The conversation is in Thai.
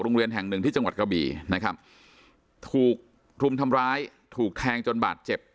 โรงเรียนแห่งหนึ่งที่จังหวัดกระบี่นะครับถูกรุมทำร้ายถูกแทงจนบาดเจ็บ